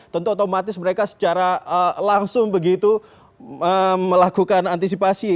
tentu otomatis mereka secara langsung begitu melakukan antisipasi